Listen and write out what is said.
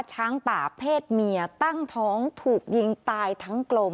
ช้างป่าเพศเมียตั้งท้องถูกยิงตายทั้งกลม